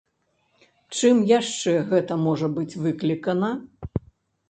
Чым яшчэ гэта можа быць выклікана?